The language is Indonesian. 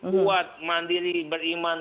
kuat mandiri beriman